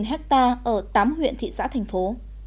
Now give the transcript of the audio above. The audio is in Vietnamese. chín mươi ha ở tám huyện thị xã thành phố